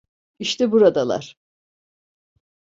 İşte buradalar.